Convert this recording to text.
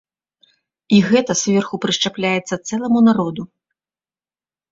І гэта зверху прышчапляецца цэламу народу.